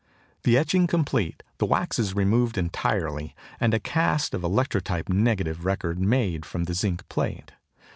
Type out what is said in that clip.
The etching complete, the wax is removed entirely, and a cast or electrotype negative record made from the zinc plate.